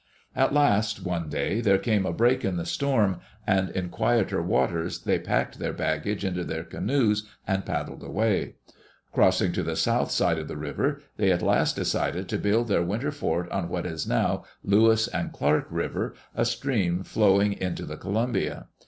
At last, one day, there came a break in the storm, and in quieter waters they packed their baggage into their canoes and paddled away. Crossing to the south side of the river, they at last decided to build their winter fort on what is now Lewis and Clark River, a stream flowing into the Columbia.